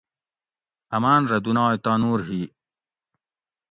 امان رہ دُنائے تانور ہی